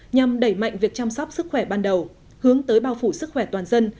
nhằm đẩy mạnh việc chăm sóc sức khỏe ban đầu hướng tới bao phủ sức khỏe toàn dân